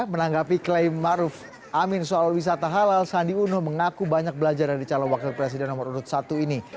menanggapi klaim maruf amin soal wisata halal sandi uno mengaku banyak belajar dari calon wakil presiden nomor urut satu ini